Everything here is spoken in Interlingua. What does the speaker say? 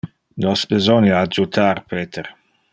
Nos besonia adjutar Peter.